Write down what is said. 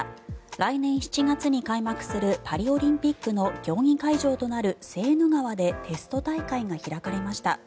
来年７月に開幕するパリオリンピックの競技会場となるセーヌ川でテスト大会が開かれました。